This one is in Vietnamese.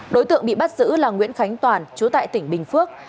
đối tượng bị bắt giữ là nguyễn khánh toàn chú tại tỉnh bình phước